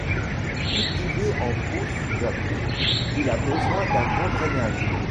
Cultivé en pot sous abris, il a besoin d'un bon drainage.